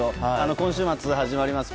今週末始まります